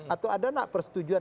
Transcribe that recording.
atau ada nggak persetujuan